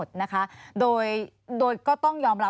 สวัสดีครับ